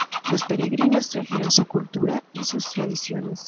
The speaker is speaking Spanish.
Los peregrinos trajeron su cultura y sus tradiciones.